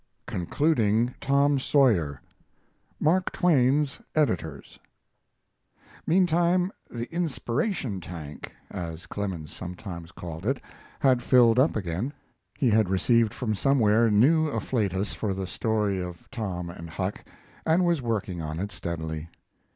CONCLUDING "TOM SAWYER" MARK TWAIN's "EDITORS" Meantime the "inspiration tank," as Clemens sometimes called it, had filled up again. He had received from somewhere new afflatus for the story of Tom and Huck, and was working on it steadily.